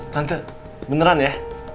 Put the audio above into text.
tante beneran ya